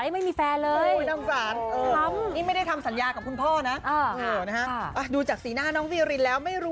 โมเม้นต์รักของสองพ่อลูกกันหน่อยค่ะ